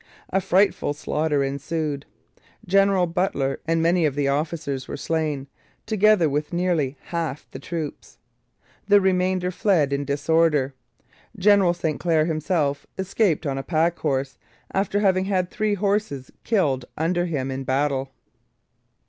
A frightful slaughter ensued. General Butler and many of the officers were slain, together with nearly half the troops. The remainder fled in disorder. General St Clair himself escaped on a pack horse after having had three horses killed under him in the battle.